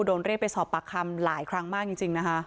โดนเรียกไปสอบปากคำหลายครั้งมากจริงนะคะ